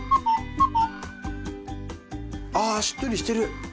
しっとりしてる。